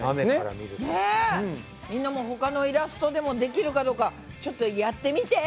みんなも他のイラストでもできるかどうかちょっとやってみて！